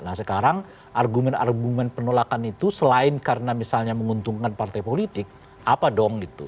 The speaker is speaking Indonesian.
nah sekarang argumen argumen penolakan itu selain karena misalnya menguntungkan partai politik apa dong gitu